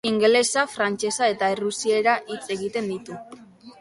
Ingelesa, frantsesa eta errusiera hitz egiten ditu.